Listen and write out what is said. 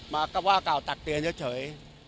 มาก็ว่ากล่าวตักเตือนเฉย